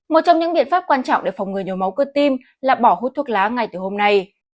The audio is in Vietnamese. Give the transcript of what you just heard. một trong những biện pháp quan trọng để phòng người nhồi máu cơ tim là bỏ hút thuốc lá ngay từ hôm nay